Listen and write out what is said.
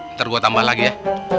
ntar gue tambah lagi ya